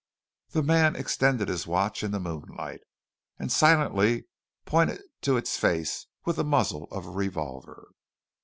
The man extended his watch in the moonlight, and silently pointed to its face with the muzzle of a revolver!